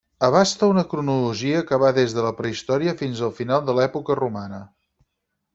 Abasta una cronologia que va des de la prehistòria fins al final de l'època romana.